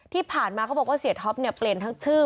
ที่ผ่านมาเขาบอกว่าเสียท็อปเนี่ยเปลี่ยนทั้งชื่อ